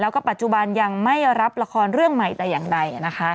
แล้วก็ปัจจุบันยังไม่รับละครเรื่องใหม่แต่อย่างใดนะคะ